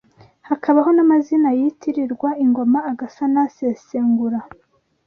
hakabaho n’amazina yitirirwa ingoma agasa n’asesengura